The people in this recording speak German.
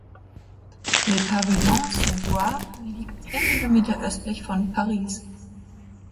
Les Pavillons-sous-Bois liegt zehn Kilometer östlich von Paris.